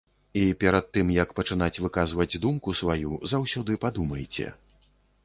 І перад тым, як пачынаць выказваць думку сваю, заўсёды падумайце.